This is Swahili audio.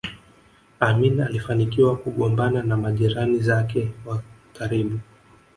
Amin alifanikiwa kugombana na majirani zake wa karibu